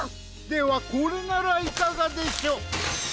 ではこれならいかがでしょ？